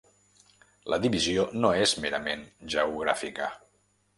La divisió no és merament geogràfica.